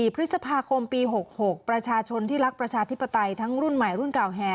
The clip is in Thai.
พฤษภาคมปี๖๖ประชาชนที่รักประชาธิปไตยทั้งรุ่นใหม่รุ่นเก่าแห่